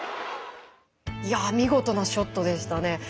見事なショットでしたね。